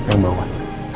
terima kasih pak